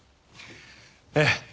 ええ。